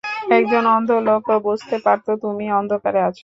একজন অন্ধ লোকও বুঝতে পারতো তুমি অন্ধকারে আছো।